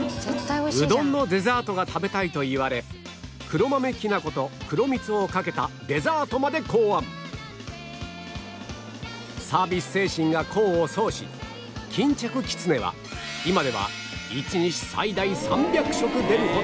うどんのデザートが食べたいと言われ黒豆きな粉と黒蜜をかけたデザートまで考案サービス精神が功を奏し巾着きつねは今では１日最大３００食出るほどの人気メニューに